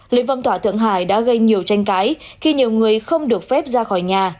lệnh phong tỏa tượng hải đã gây nhiều tranh cãi khi nhiều người không được phép ra khỏi nhà